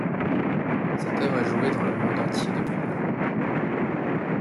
Cette œuvre est jouée dans le monde entier depuis lors.